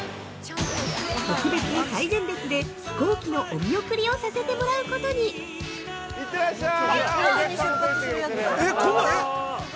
特別に最前列で、飛行機のお見送りをさせてもらうことに◆行ってらっしゃい！